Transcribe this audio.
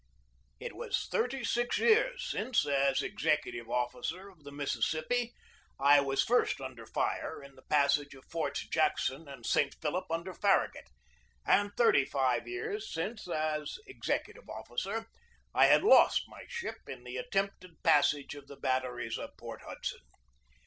It was thirty six years since, as executive officer of the Mississippi, I was first under fire in the passage of Forts Jackson and St. Philip under Farragut, and thirty five years since, as executive officer, I had lost my ship in the attempted passage of the batteries of Port Hudson.